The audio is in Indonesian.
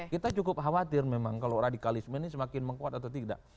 kita cukup khawatir memang kalau radikalisme ini semakin mengkuat atau tidak